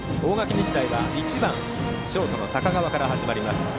日大は１番ショートの高川からの打順。